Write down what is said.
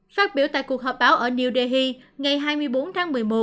phát biểu tại cuộc họp báo ở new delhi ngày hai mươi bốn tháng một mươi một